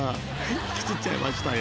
［ひきつっちゃいましたよ。